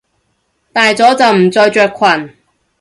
大咗就唔再着裙！